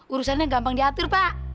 urusannya gampang diatur pak